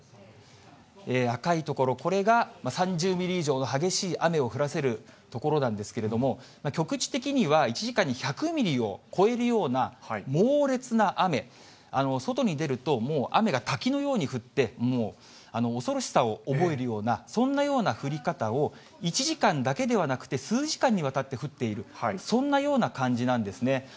赤い所、これが３０ミリ以上の激しい雨を降らせる所なんですけれども、局地的には１時間に１００ミリを超えるような猛烈な雨、外に出るともう、雨が滝のように降って、もう恐ろしさを覚えるような、そんなような降り方を１時間だけではなくて、数時間にわたって降っている、そんなような感じなんですね。